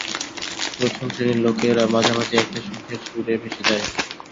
প্রথম শ্রেণীর লোকেরা মাঝামাঝি একটা সুখের সুরে ভেসে যায়।